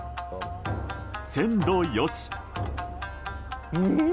鮮度良し。